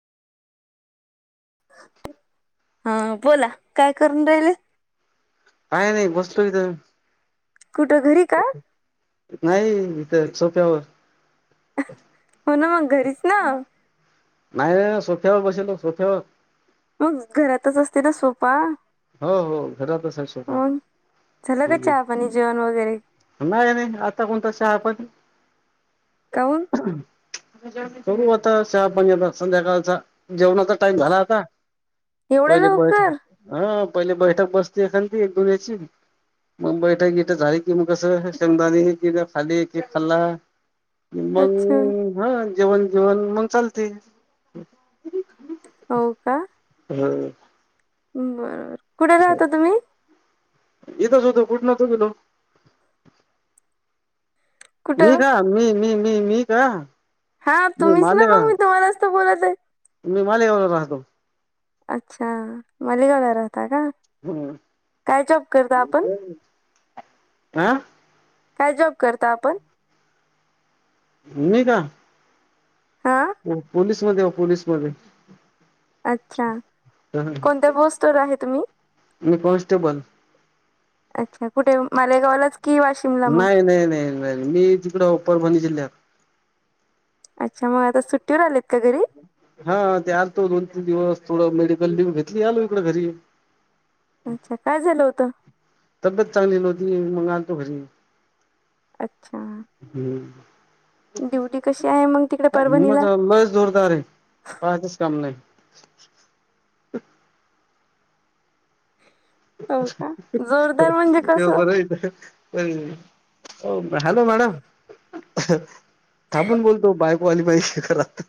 हा बोला काय करून राहिल काय नाही बसलो इथं कुठं घरी का नाही इथं सोफ्यावर हो ना मग घरीच ना. नाही सोथेवर बसल सोथ मग घरातच असते ना सोफा. हो हो घरातच शोपा. झालं का चहा पाणी जेवण वगैरे नाही नाही आता कोणता शहा पण. काऊन करू आता चहा पाणी संध्याकाळचा जेवणाचा टाईम झाला आता एवढ्या पहिले ब लवकर हा पहिले बैठक बसती असन ती एकदो ह्याची मग बैठक बिठ झाली की मग कसं समदंयांनी खाली केक खाल्ला अच्छा मंग हा जेवण जेवण मंग चालते हो का ह बरोबर कुठे राहता तुम्ही येतच होतो कुठ न्हवतो गेलो मी कुठं का मी मी मी मी का हा मी तुम्हीच ना मग मालेगाव मी तुम्हालाच तर बोलत आहे मी मालेगावला राहतो अच्छा मालेगावला राहता का हम्म. काय जॉब करता आपण आं काय जॉब करता आपण मीं का हा हो पोलिसमध्ये हाव पोलीसमध्ये. अच्छा मी कोणत्या पोस्ट वर आहे तुम्ही कॉन्स्टेबल अच्छा कुठे मालेगावलाच की वाशिमला मग नाही नाही नाही नाही मी तिकड परभणी जिल्ह्यात अच्छा मग आता सुट्टीवर आलेत का घरी हा ते आलतो दोन तीन दिवस थोडं मेडिकल लिव्ह घेतली आलो इकडे घरी अच्छा काय झालं होतं तब्येत चांगली न्हवती मंग आलतो घरी अच्छा ड्युटी कशी आहे मग तिकडे मग परभणीला? लयच जोरदार आहे पायचंच काम नाही हो का जोरदार म्हणजे तेव कसं? बर आहेथ हम् हॅलो मॅडम. थांबून बोलतो, बायको आली मायी घरात.